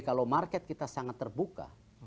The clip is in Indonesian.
kalau market kita sangat terbuka